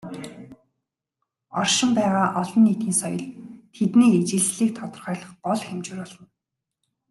Оршин байгаа "олон нийтийн соёл" тэдний ижилслийг тодорхойлох гол хэмжүүр болно.